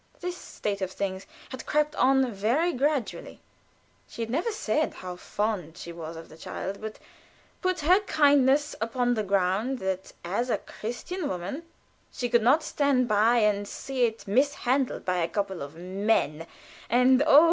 This state of things had crept on very gradually; she had never said how fond she was of the child, but put her kindness upon the ground that as a Christian woman she could not stand by and see it mishandled by a couple of men, and oh!